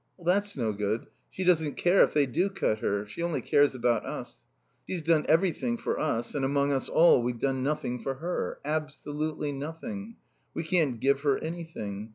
"That's no good. She doesn't care if they do cut her. She only cares about us. She's done everything for us, and among us all we've done nothing for her. Absolutely nothing. We can't give her anything.